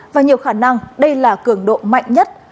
và nhiều khả năng đây là cường độ mạnh nhất